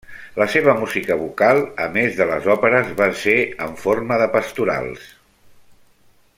La seva música vocal, a més de les òperes, van ser en forma de pastorals.